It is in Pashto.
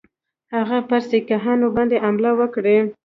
هغه پر سیکهانو باندي حمله وکړي.